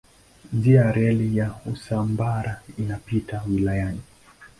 Njia ya reli ya Usambara inapita wilayani.